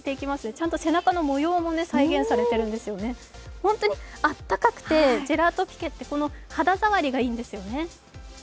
ちゃんと背中の模様も再現されているんですよね、本当に暖かくて、ジェラートピケってこの肌触りがいいんですよね。